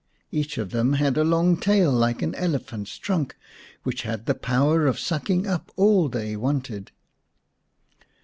Each of them had a long tail like an elephant's trunk, which had the power of sucking up all they wanted.